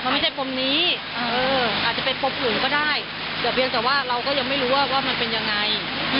มันไม่ใช่ปมนี้อาจจะเป็นปมอื่นก็ได้แต่เพียงแต่ว่าเราก็ยังไม่รู้ว่าว่ามันเป็นยังไง